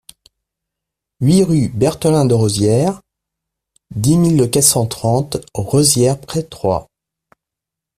huit rue Berthelin de Rosières, dix mille quatre cent trente Rosières-près-Troyes